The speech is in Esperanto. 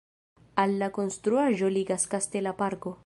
Al la konstruaĵo ligas kastela parko.